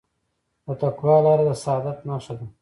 د تقوی لاره د سعادت نښه ده.